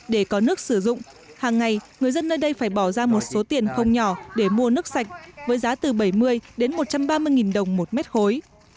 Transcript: để có nước sử dụng hàng ngày người dân nơi đây phải bỏ ra một số tiền không nhỏ để mua nước sạch với giá từ bảy mươi đến một trăm ba mươi đồng một mét khối